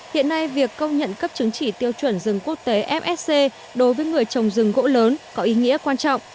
hiện nay việc công nhận cấp chứng chỉ tiêu chuẩn rừng quốc tế fsc đối với người trồng rừng gỗ lớn có ý nghĩa quan trọng